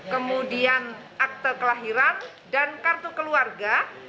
kemudian akte kelahiran dan kartu keluarga